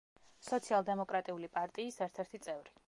სოციალ-დემოკრატიული პარტიის ერთ-ერთი წევრი.